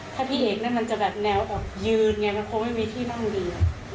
ถ้าพี่เอกมันจะแนวออกยืนมันคงไม่มีที่นั่งดี